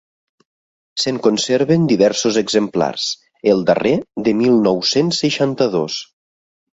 Se'n conserven diversos exemplars, el darrer de mil nou-cents seixanta-dos.